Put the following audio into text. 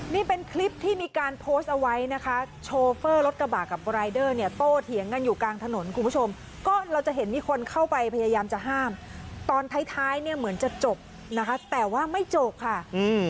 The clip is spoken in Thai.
นี่เป็นคลิปที่มีการโพสต์เอาไว้นะคะโชเฟอร์รถกระบะกับรายเดอร์เนี่ยโตเถียงกันอยู่กลางถนนคุณผู้ชมก็เราจะเห็นมีคนเข้าไปพยายามจะห้ามตอนท้ายท้ายเนี่ยเหมือนจะจบนะคะแต่ว่าไม่จบค่ะอืม